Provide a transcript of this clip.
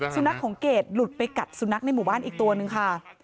สุนัขของเกรดหลุดไปกัดสุนัขในหมู่บ้านอีกตัวนึงค่ะ